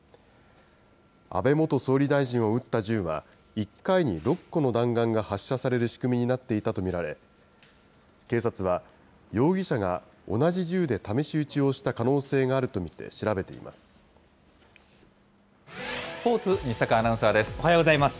安倍元総理大臣を撃った銃は、１回に６個の弾丸が発射される仕組みになっていたと見られ、警察は、容疑者が同じ銃で試し撃ちをした可能性があると見て調べています。